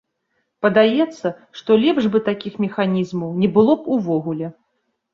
Падаецца, што лепш бы такіх механізмаў не было б увогуле.